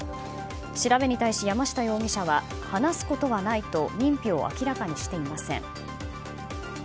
調べに対し、山下容疑者は話すことはないと認否を明らかにしていません。